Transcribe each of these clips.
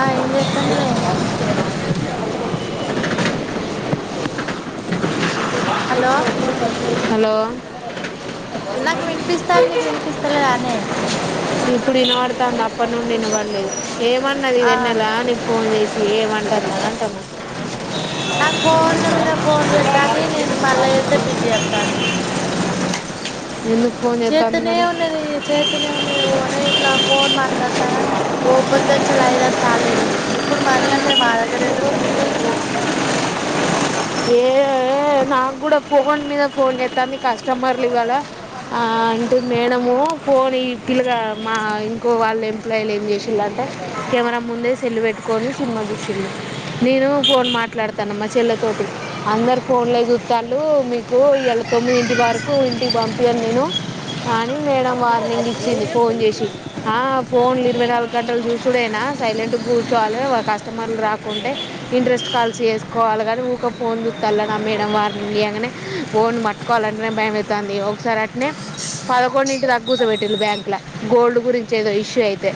ఆ ఇ ఎత్తన్నవే హలో హలో నాకు వినిపిస్తోంది నీకు వినిపిస్త లేదా నే తను అప్పటినుండి వినబడలేదు ఏమన్నది ఆ వెన్నెల నీకు ఫోన్ చేసి ఏమంటారు అంటన్న నాకు ఫోన్ల మీద ఫోన్ చేస్తాది నేను మల్ల చేస్తే బిజీ వస్తాది ఎందుకు ఫోన్ చేస్తాంది చేతనే మరి ఉన్నది చేతనే ఉన్నది ఓ నే ఇట్లా ఫోన్ మాట్లాడతానా ఓ పొద్దంచల ఐదు ఆరుసార్లు చేసింది ఇప్పుడు మనీ అంటే మా దగ్గర యాడున్నాయి లేవు ఏ నాకు కూడా పోగోని మీద ఫోన్ చస్తాంది కస్టమర్లు కడ ఆ అంటే మేడము ఫోన్ ఈ పిల్లగా మా ఇంకో వాళ్ళ ఎంప్లాయిలు ఏం చేసిందంటే అంటే కెమెరా ముందే సెల్లు పెట్టుకొని సినిమా చూసింది నేను ఫోన్ మాట్లాడతాను మా చెల్లతోటి అందరు ఫోన్లో చుత్తాన్లు మీ ఓ ఇయల తొమ్మిదింటి వరకు ఇంటికి పంపి ఇయను నేను అని మేడం వార్నింగ్ ఇచ్చింది ఫోన్ చేసి. ఆ ఫోన్లు ఇరవై నాలుగు గంటలు చూసుడేనా సైలెంట్గా కూర్చోవాలె కస్టమర్లు రాకుంటే ఇంట్రెస్ట్ కాల్స్ చేసుకోవాలె కానీ, ఊక ఫోన్ చూస్తాల అని మేడం వార్నింగ్ ఇయ్యంగనే ఫోన్ పట్టుకోవాలంటనే భయం అయితాంది ఒకసారి అ నే పదకొండింటిదాక కూస పెట్టింది బ్యాంక్లా గోల్డ్ గురించి ఏదో ఇష్యూ అయితే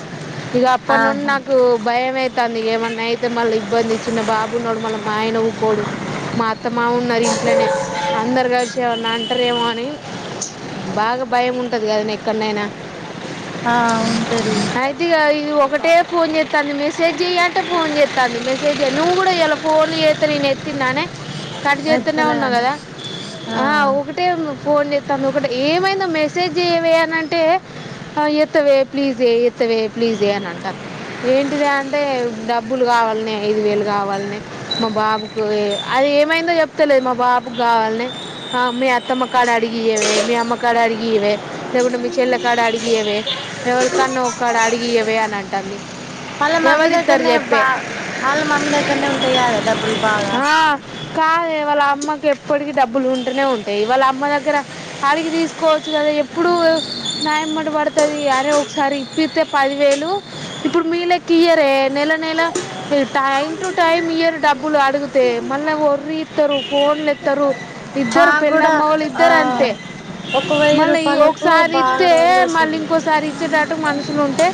ఇగ అప్పటి నుండి ఆహా నాకు భయం అయి తంది. ఏమన్నా అయితే మళ్ళీ ఇబ్బంది. చిన్న బాబున్నడు మళ్ళా మా ఆయనవుకోడు మా అత్తమ్మా ఉన్నరు ఇంట్లనే. అందరు కలిసి ఎంమన్నా అంటరేమో అని బాగా భయం ఉంటది కదనే ఎక్కనైనా. ఆ ఉంటది. ఇది ఒకటే ఫోన్ చేస్తాంది. మెసేజ్ చెయ్ అంటే ఫోన్ చేస్తాంది. మెసేజ్ చేయ్ నువ్వు కూడా ఇలా ఫోన్ చేస్తే నేను ఎత్తింనాన్నే. కట్ చేతనే అయితలే ఉ గాని కదా ఆ ఒకటే ఫోన్ చే తాంది. ఒకటే ఏమైందో మెసేజ్ చెయవే అని అంటే ఎత్తవే ప్లీజే ఎత్తవే ప్లీజే అని అంటాంది. ఏంటిదే అంటే డ బ్బులు కావాల్నే, ఐదు వేలు కావాల్నే, మా బాబుకు అది ఏమైందో చెప్తలేదు. మా బాబుకు కావాల్నే అ మీ అత్తమ్మ కాడ అడిగియవే, మీ అమ్మకాడ అడిగియవే, లేకుంటే మీ చెల్లకాడ అడిగియవే ఎవరు కన్నా ఒక కాడ అడిగియవే అని అంటంది. వాళ్ళ మమ్మీ ఎవరు ఇస్తరు దగ్గరనే బా చెప్పే ఆళ్ళ మమ్మీ దగ్గరనే ఉంటయి కదే డబ్బులు బాగా ఆ కాదే వాళ్ళ అ మ్మకి ఎప్పటికిీ డబ్బులు ఉంటనే ఉంటయి. వాళ్ళ అమ్మ దగ్గర అడిగి తీసుకోవచ్చు కదా. ఎప్పుడు నాయంమ్మట పడుతది అరే ఒకసారి ఇప్పిస్తే పదివేలు ఇప్పుడు మీలెక్క ఇయరే నెల నెలా టైం టు టైం ఇయరు డబ్బులు అడుగుతే మళ్ళీ వొర్రీ ఇత్తరు. ఫోన్లు ఎత్తరు, ఇద్దరు మాకు పెళ్ళాం కూడా మొగళు ఆ ఇద్దరు అంతే. ఒక వెయ్యి మళ్ళీ రూపాయలకు ఒకసారి బాగా ఇత్తే రోజులు మళ్ళీ వేసిండు ఇంకోసారి ఇచ్చేటటు [inaudible] మనుసుల ఉంటే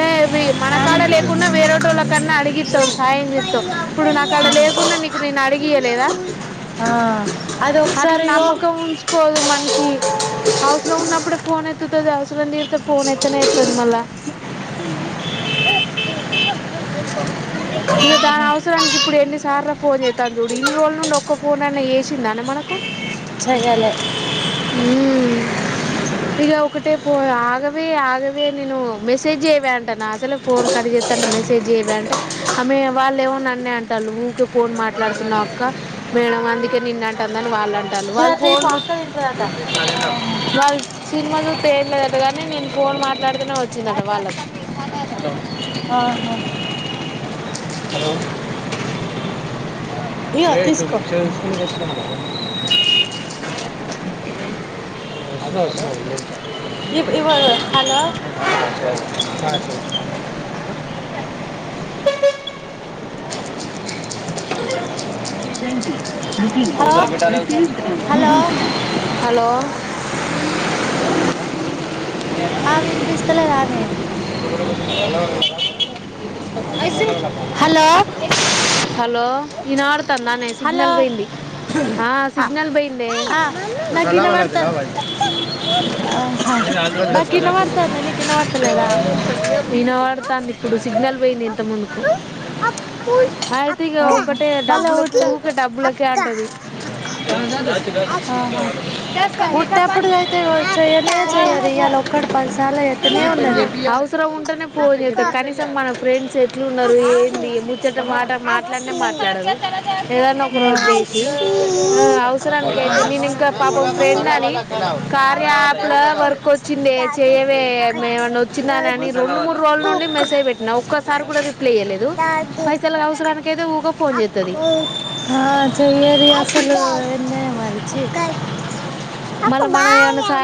ఏ ఇవి మన కాడ లేకున్నా వేరేటోళ్ళ కన్నా అడిగిత్తం సాయం జేత్తం. ఇప్పుడు నా కాడ లేకున్నా నీకు నేను అడిగియలేదా. ఆ అది అట్లా ఒకసారి ఇగో నమ్మకం ఉంచుకోదు మనిషి. అవసరం ఉన్నప్పుడే ఫోన్ ఎత్తు [inaudible] అవసరం తీర్తే ఫోన్ ఎత్తనే ఎత్తదు మల్లా. ఇగ దాని ఆహా అవసరానికి ఇప్పుడు ఎన్ని సార్ల ఫోన్ జేత్తందో చూడు ఇన్ని రోజులు [inaudible] ఒక్క ఫోనన్నా చేసిందానే మనకు చెయ్యాలే హ్ ఇగ ఒకటే పో ఆగవే ఆగవే వే నేను మెసేజ్ జేయవే అంటన్నా. అసలే ఫోన్ కట్ జేత్తంటే మెసేజ్ చెయవే అంటే ఆమె వాళ్ళు ఎమో నా నే అంటాల్లు ఊకే ఫోన్ మాట్లాడుతున్నవు అక్కా. మేడం అందుకే నిన్నంటందని వాళ్ళు అంటల్లు. వాళ్ళు ఇదైతే ఈ ఫోన్లు పక్క తింటదట ఆహా వాళ్ళు సినిమా చూత్తే ఎంలేదట కానీ నేను ఫోన్ మాట్లాడుతనె వచ్చిందట వాళ్ళకు ఆహా హలో హ్ం [inaudible] అదే వస్తున్నాను ఇవ్ ఇవో హలో హలో [inaudible] హలో హలో ఆ వినిపిస్తలేదానే ఐసి హలో హలో ఇనవడుతందానే హలో సిగ్నల్ పోయింది ఆ సిగ్నల్ పోయిందే ఆ మసాలా వాళ్ళ నాకిన్నవడుతన్ తెలవాలి ఆహ నాకిన్నవడుతన్న నీకిన్నవడుతలేదా వినవాడుతాంది ఇప్పుడు సిగ్నల్ వొయింది ఇంత ముందు అయితే ఇగ ఆహా ఒక్కటే మళ్ళా డబ్బులకు ఉట్ట ఊక డబ్బులకే అంటది ఆహా వుట్టప్పుడు అయితే చెయ్యనే చెయ్యది ఇయల్ల ఒక్కటిక్ పదిసార్ల ఏత్తనే ఉన్నది అవసరం ఉంటేనే ఆ ఫోన్జెత్తది కనీసం మన ఫ్రెండ్స్ ఎట్లు ఉన్నారు ఏంది ముచెట మాట మాట్లాడనే మాట్లాడదు ఏదన్నా ఒకరోజు చేసి అవసరానికియితే నేను ఇంకా పాపం ఫ్రెండ్ అని కాద్ యాప్ లో వర్క్ వచ్చిందే కుక్క చెయవే మేమన్నా నా నని రెండు మూడు రోజుల నుండి మెసేజ్ పెట్టినా ఒక్కసారి కూడా రిప్లై చేయలేదు డాగి పైసలు అవసరానికైయితే ఊగా ఫోన్ చేస్తుంది అన్నే మరిచి మల్ల మన ఎమన్నా సా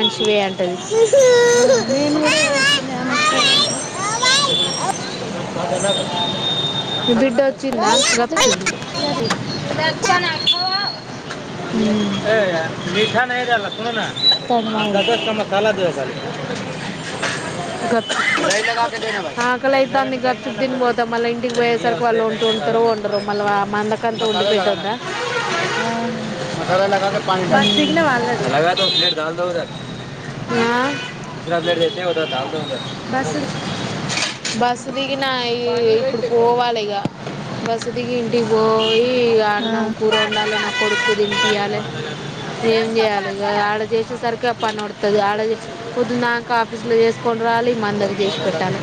మనిషివే అంటది నేను కూడా [inaudible] [inaudible] మదదంగా బిడ్డ వచ్చిందా మధ్య మధ్యలో గప్చు చెయ్యది ఏ మిఠానేద నా దాని మనది దద తమ తాలా దవ కాాల ఆకలి అయితుంది గుప్చూప్ తిని పోతా మళ్ళీ ఇంటికి పోయేసరికి వాళ్ళు ఉంటూ ఉంటారు ఉండరు మళ్ళీ ఉండకంటే ఒండిపెట్టొద్ద ఆహా ప బస్ దిగినవా ఆల్రెడీ గా పలే ఆ బస్ బస్సు దిగి నా ఈ ఇప్పుడు పోవాలిగా బస్ దిగి ఇంటికి పోయ్ ఇగ ఆ అన్నం కూర అండాలి. కొడుతుంది. ఏంజేయాలి ఇగ ఏం చేయాలి ఇగ ఆడ జేసేసరికి పనో ఒడ్తది ఆడ జేసే పొద్దుందాకా ఆఫీస్ లో జెస్ కోరాలి మందకి చేసి పెట్టాలే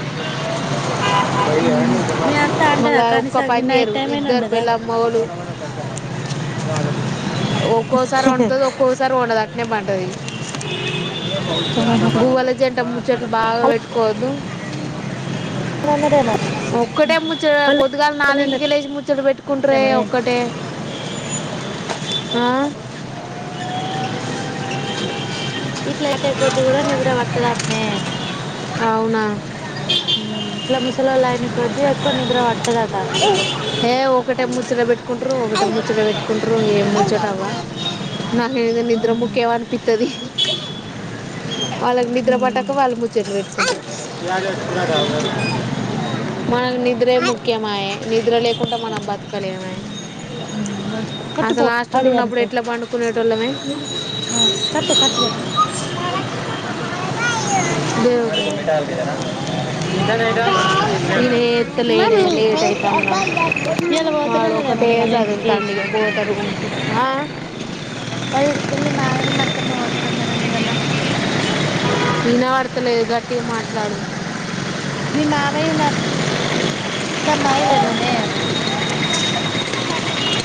మ్ మీ అత్త అండదా ఒక్క కానీసమ్ గి పని నైట్ చేయరు టైం అయినా ఇద్దరు అండదా వ ఒక్కోసారి వండుతది ఒక్కో ఒకసారి వండది. నెబన్ గువలజేడ్ తమ్ము చెట్లు బాగా పెట్టుకోవద్దు. నన్నదే మో ఒక్కటే ముచ్చట పొద్దుగాల నాలుగు ఇంటికే లేసి ముచ్చట పెట్టుకుంట్రే అన్నదేమోనే ఒక్కటే ఆ ఇట్లా ఏటో కొద్ది కూడా నిద్ర వట్టదటనే అవునా లోలనై కొద్ది ఎక్కువ నిద్ర పట్టేది అది ఏ ఒకటే ముచ్చట పెట్టుకుంట్రు ఒకటే ముచ్చట పెట్టుకుంట్రు ఏం ముచ్చటావ్వా నాకు హయిదే నిద్ర ముఖ్యవఅనిపితది. వాళ్ళకు నిద్ర బట్టక వాళ్ళు ముచ్చట్లు పెట్టుకుంటారు. మనక్ నిద్రే ముఖ్యమాయ. నిద్ర లేకుండా మనం బతకలేమాయే కొట్టుపో హాడి అనుపో ఎట్లా పండుకునేటోళ్ళమే కట్టే కట్టే తెపో దేవుడు ఈయన ఎత్తలేడే లేట్ అవుతాను నాకు ఈయల పోతున్నా కదేమో వాళ్ల ఇంటికి ఆ పదింటికి మీ మామయ్యన్ను అత్తమ పోతునన్నారెమో ఈయల ఎనవడత్లేదు గట్టిగా మాట్లాడు మీ మామయ్యున్ అత్ అతమ్మఅయిరేమోనే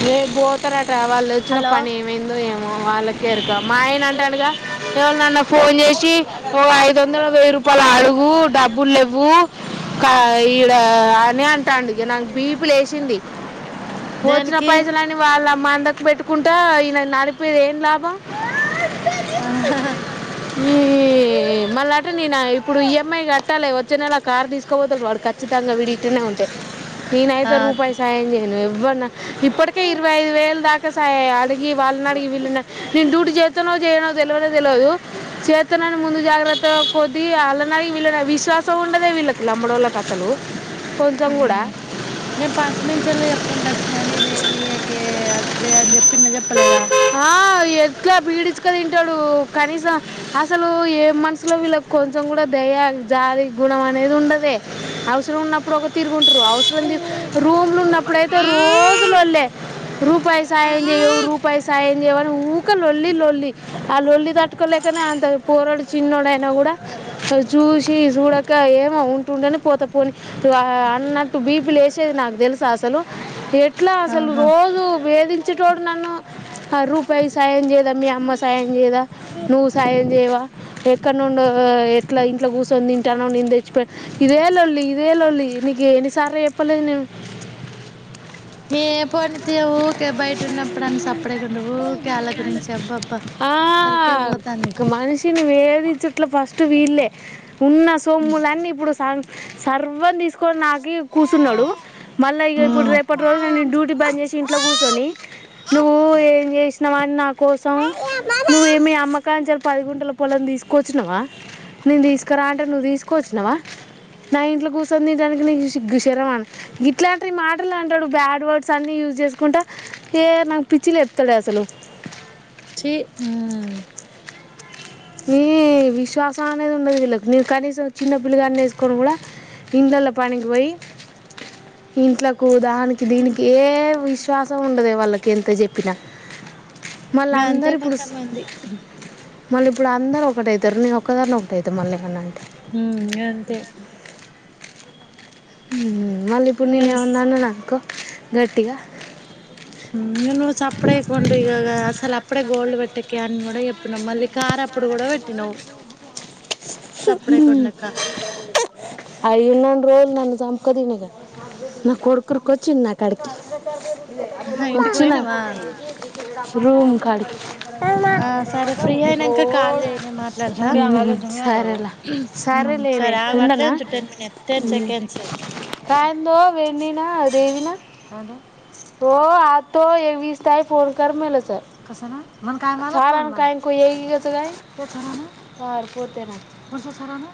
రెబ్ బోతరట్ తవాల్లో వచ్చిన హలో పని ఏమైందో ఏమో వాళ్ళకేఎరుక. మా ఆయన అంటాడుగా ఏవర్ననన్న ఫోన్ చేసి ఓ ఐదు వందలో, వెయ్యి రూపాయలో అడుగు డబ్బులు లేవ్వు ఈడ అని అంటాడు. ఇక నాకు బీపి లేసింది. దేనికి? పైసలున్ని వాడినప్ లా మందుకు పెట్టుకుంటా ఈయన నడిపేది ఏం లాభం. ఆహ హ్ హ ఈ మళ్ళా అట్ట్నే నేను ఇప్పుడు ఈఎంఐ కట్టాలి. వచ్చే నెలా కార్ తీసుకోపోతాడు ఖచ్చితంగా వీడి ఇట్లనే ఉంటే. ఆ నేనైతే రూపాయ సాయం చేయను ఎవ్ వన్న ఇప్పటికే ఇరవై ఐదువేలు దాకా. కసా అది [unintelligible] ఈ వాళ్ళ నడిగి వీళ్ళ నడిగి నేను డ్యూటీ చేస్తానో చేయనో? తెల్వనే తెల్వదు, చేతనైన ముందు జాగ్రత్తగ పోతి ఆల్లనడిగ వీళ్ళనడిగి విశ్వాసం ఉండదే వీళ్ళకి లమ్మడోళ్ళకు కసలు. నేను ఫస్ట్ నుంచిల్లా చెప్పుకుంటాను. చ్చినని ఇదే మీయకే అదే అని చెప్పి న చెప్ప [unintelligible] చెప్పలేదా? ఇట్లా పీడిచ్చుక తింటాడు. కనీసం అసలు ఏం మనసులో వీళ్ళ కొంచెం కూడా దయ, జాలి గుణం అనేది ఉండదే. అవసరం ఉన్నప్పుడు ఒక తీరు. అవసరం రూమ్లో ఉన్నప్పుడుయితే రోజులొల్లే, రూపాయి సాయం చేయవు రూపాయి సా ఏంమన్న ఊక లొల్లి లొల్లి ఆ లొల్లి తట్టుకోలేకనే అంత పోరడు చిన్నోడుయినా కూడా చూసి చూడక ఏమో ఉంటుండని పోతె పోని అన్నట్టు బీ పి లేసేది నాకు తెలుసా? అసలు. ఇట్లా అసలు ఆహా రోజు వేధించి తిట్టెటోడు నన్ను. ఆ రూపాయి సాయం చేయదా? మీ అమ్మ సాయం చేయదా? నువ్వు సాయం చేయవా? ఎక్క నుండో ఎట్లా ఇంట్లో కూర్చొని తింటాన్నావు నేను తెచ్చిపెడితే ఇదే లొల్లి ఇదే లొల్లి నీకు ఎన్నిసార్లు చెప్పలేదు నేను. ఏ పోనితే యే ఊకే బయట ఉన్నప్పుడు అని సప్పిడిచేయకుండా ఊకే వాళ్ళ గురించి చెప్పకు. ఆ మనిషిని వేధించుటల్లో ఫస్ట్ వీళ్ళే ఉన్న సొమ్ములన్నీ ఇప్పుడు. సా సర్వం తీసుకు పోని నాకి కూర్చున్నాడు, మళ్ళా ఇ ఇప్పుడు ఉమ్ రేపటి రోజున డ్యూటీ బంద్ చేసి ఇంట్లో కూర్చొని నువ్వు ఏం చేసి.. నమా నాకు [unintelligible] నువ్వ ఏమి అమ్మకా అని చెప్ పది గుంటల పొలం తీసుకోవచ్చినావా? నేను తీసుకురా అంటే నువ్వు తీసుక్ ఉరికే వచ్చినవా నా ఇంట్లో కూర్చొని తిండానికి నీకు సిగ్గు, శరమా ఇట్లాంటి మాటలు అంటాడు. బ్యాడ్ వర్డ్స్ అన్ని యూజ్ చేసుకుంటా ఏ నాకు పిచ్చిలేపుతాడే అసలు. హే ఉమ్. హ్మ్ విశ్వాసం విశ్వాసం అనేది ఉండదు. వీళ్ళకి నేను కనీసం చిన్న పిల్లగా వేసుకొని కూడా ఇండ్లలో పనికి పోయి ఇంట్లోకు దానికి దీనికి ఏ విశ్వాసం ఉండదు వాళ్ళకి ఎంత చెప్పినా. మళ్ళీ ఇప్పుడు అంతే అందరు ఇప్పుడు కొంతమంది మళ్ళీ ఇప్పుడు అందరు ఒకటి అయితారు నేను ఒకదాని ఒకటి అయిత మల్ల ఎం అయినా అంటే హ అంతే ఉ మళ్ళీ ఇప్పుడు ఎస్ ఏమన్నా అన్ననుకో గటిగా హ ఇక నువ్వు సప్పుడు చేయక ఉండు ఇగ అసలు అప్పుడే గోల్డ్ పెట్టకె అని కూడా చెప్పినాం మళ్ళీ కార్ అప్పుడు కూడా పెట్టినావు అయి ఉన్న రోల్ నన్ను సంకదినుడే నా కొడుకుర్కి వచ్చింది నాక్కడికి ఆహా ఇంటికి వచ్చనా పోయినవా రూమ్ కాడికి ఆ సరే ఫ్రీ అయినంక కాల్ చేయి నేను మాట్లాడతా సరే రా సరే ఉమ్ లేవే ఆగు అట్లే ఉండనా ఉంచు టెన్ మినిట్ టెన్ సెకండ్స్ కాయందో వెడినా దేవిన హ పో అ ఏ విస్ తయి ఫోన్ క మల స కస ఏ పో సర పోతేనా కోన్ససారోనా